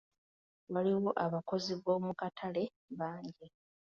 Waliwo abakozi b'omukatale bangi.